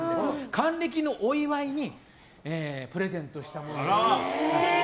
還暦のお祝いにプレゼントしたものです。